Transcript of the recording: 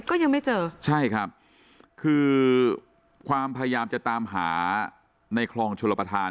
ก็ยังไม่เจอใช่ครับคือความพยายามจะตามหาในคลองชลประธาน